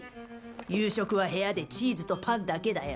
夕食は部屋でチーズとパンだけだよ。